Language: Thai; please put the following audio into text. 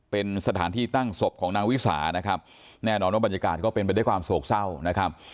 เป็นสถานที่ตั้งศพของนางวิสานะครับแน่นอนว่าบรรยากาศก็เป็นไปด้วยความโศกเศร้านะครับ